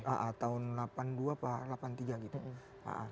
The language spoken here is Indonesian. aa tahun delapan puluh dua apa delapan puluh tiga gitu